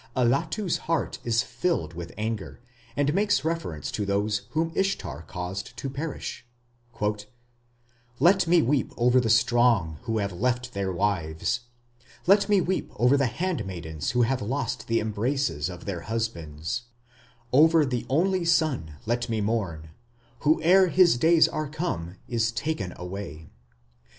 Allatu's heart is filled with anger, and makes reference to those whom Ishtar caused to perish: Let me weep over the strong who have left their wives, Let me weep over the handmaidens who have lost the embraces of their husbands, Over the only son let me mourn, who ere his days are come is taken away.